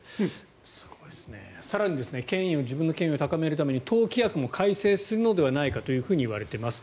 更に、自分の権威を高めるために党規約も改正するのではないかといわれています。